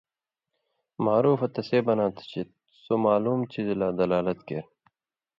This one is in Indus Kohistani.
معرفہ تسے بناں تھہ چے سو معلُوم څیزہۡ لا دلالت کېر